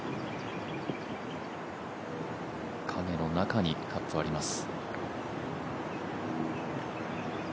影の中にカップはあります。